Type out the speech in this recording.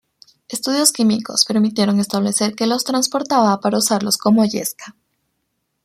Estudios químicos permitieron establecer que los transportaba para usarlos como yesca.